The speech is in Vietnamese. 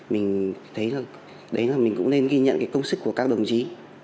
mình thấy là đấy là mình cũng nên ghi nhận cái công sức của các đồng chí